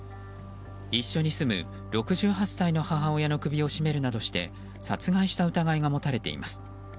一緒に住む６８歳の母親の首を絞めるなどして殺害した疑いが持たれています。